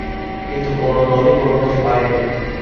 কিন্তু কোন দলই গোল করতে পারেনি।